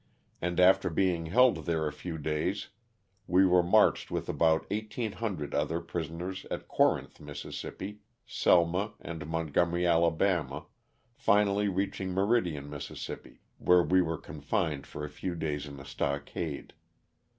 and after being held there a few days, we were marched with about 1800 other prisoners to Corinth, Miss., Selma and Montgomery, Ala., finally reaching Meridian, Miss., where we were confined for a few days in a stock ade.